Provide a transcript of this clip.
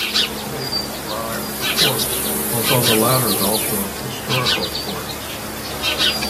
Newhaven and Rye are ports, although the latter is also of historical importance.